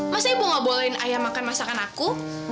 masa ibu nggak bolehin ayah makan masakan aku